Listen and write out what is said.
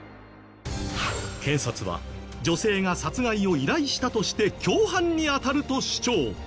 検察は女性が殺害を依頼したとして共犯にあたると主張。